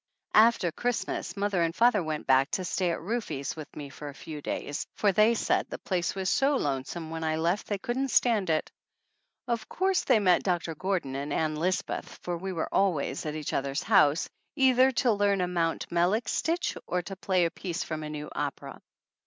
After Christmas mother and father went back to stay at Rufe's with me a few days, for they said the place was so lonesome when I left they couldn't stand it. Of course they met Doctor Gordon and Ann Lisbeth, for we were always at each other's house, either to learn a Mount Mellick stitch or to play a piece from a new opera.